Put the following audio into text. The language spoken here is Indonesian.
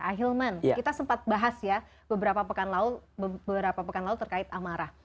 ahilman kita sempat bahas ya beberapa pekan lalu terkait amarah